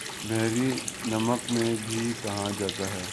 بحیرہ نمک بھی کہا جاتا ہے